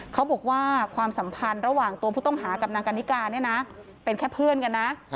เขาบอกว่าความสัมพันธ์ระหว่างตัวผู้ต้องหากับนางกันนิกาเนี่ยนะเป็นแค่เพื่อนกันนะ